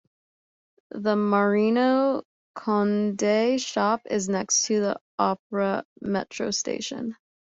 The Mariano Conde's shop is next to the Opera metro station.